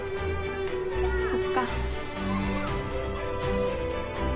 そっか。